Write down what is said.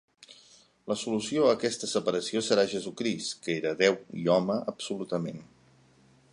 La solució a aquesta separació serà Jesucrist, que era Déu i home absolutament.